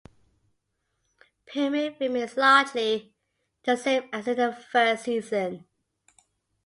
Pyramid remains largely the same as in the first season.